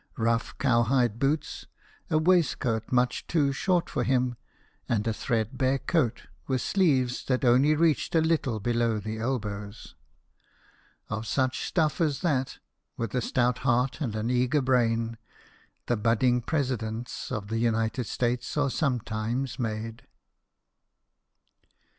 143 rough cow hide boots, a waistcoat much too short for him, and a thread bare coat, with sleeves that only reached a little below the elbows. Of such stuff as that, with a stout heart and an eager brain, the budding presidents of the United States are sometimes made.